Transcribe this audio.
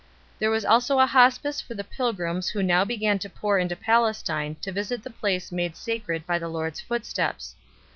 There was also a hospice for the pilgrims who now began to pour into Palestine to visit the place made sacred by the Lord s footsteps 3